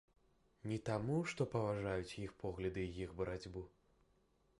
Не таму, што паважаюць іх погляды і іх барацьбу.